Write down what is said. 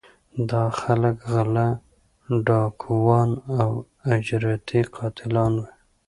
دا خلک غلۀ ، ډاکوان او اجرتي قاتلان وي